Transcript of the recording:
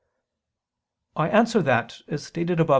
I answer that, As stated above (A.